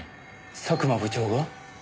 佐久間部長が？